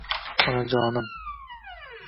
«Onajonim